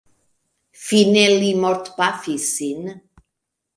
Fine li mortpafis sin.